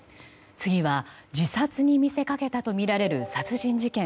次は自殺に見せかけたとみられる殺人事件。